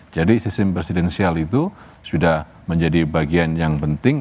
jadi sistem presidensial itu sudah menjadi bagian yang penting